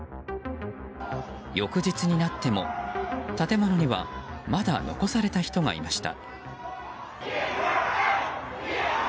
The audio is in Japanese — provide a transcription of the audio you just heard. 翌日になっても建物にはまだ残された人がいました。